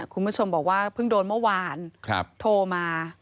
คุณผู้ชมบอกว่าเพิ่งโดนเมื่อวานโทรมา